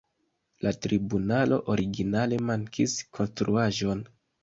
La tribunalo originale mankis konstruaĵon.